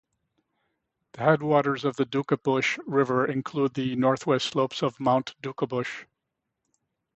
The headwaters of the Duckabush River include the northwest slopes of Mount Duckabush.